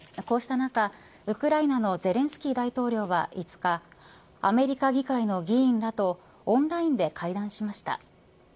こうした中ウクライナのゼレンスキー大統領は５日アメリカ議会の議員らとオンラインで会談しました。